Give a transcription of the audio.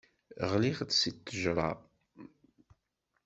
Ɣliɣ-d seg ttejra.